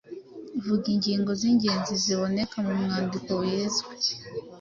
Vuga ingingo z’ingenzi ziboneka mu mwandiko wizwe.